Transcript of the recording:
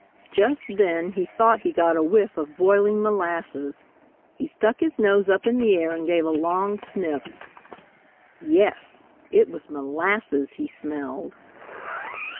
Just then he thought he got a whiff of boiling molasses. He stuck his nose up in the air and gave a long sniff. Yes, it was molasses he smelled!